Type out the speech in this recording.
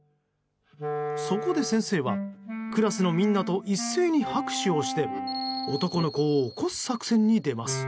そこで先生はクラスのみんなと一斉に拍手をして男の子を起こす作戦に出ます。